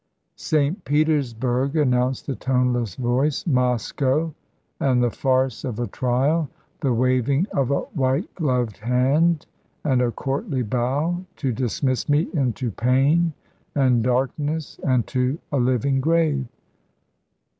"St. Petersburg," announced the toneless voice, "Moscow, and the farce of a trial. The waving of a white gloved hand, and a courtly bow, to dismiss me into pain and darkness and to a living grave.